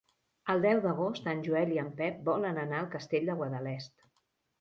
El deu d'agost en Joel i en Pep volen anar al Castell de Guadalest.